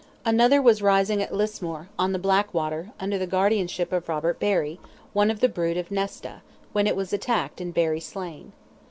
Another was rising at Lismore, on the Blackwater, under the guardianship of Robert Barry, one of the brood of Nesta, when it was attacked and Barry slain.